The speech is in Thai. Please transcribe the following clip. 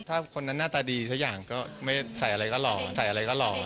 ถ้าคนนั้นหน้าตาดีสักอย่างก็ไม่ใส่อะไรก็หล่อใส่อะไรก็หล่อ